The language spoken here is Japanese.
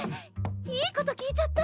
いいこと聞いちゃった！